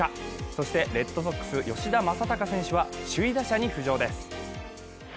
そしてレッドソックス・吉田正尚選手は首位打者に浮上です。